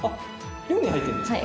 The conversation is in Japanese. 寮に入ってるんですか。